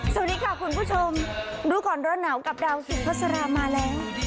สวัสดีค่ะคุณผู้ชมรู้ก่อนร้อนหนาวกับดาวสุภาษามาแล้ว